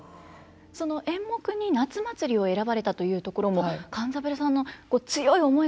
その演目に「夏祭」を選ばれたというところも勘三郎さんの強い思いがあったんでしょうか？